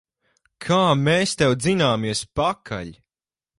Kā mēs tev dzināmies pakaļ!